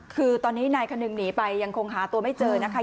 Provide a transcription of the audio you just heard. คือตอนนี้นายคนึงหนีไปยังคงหาตัวไม่เจอนะคะ